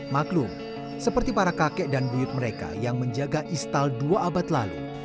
maklum seperti para kakek dan buyut mereka yang menjaga istal dua abad lalu